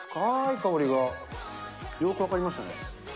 香りがよく分かりましたね。